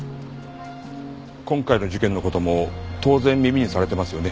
今回の事件の事も当然耳にされてますよね？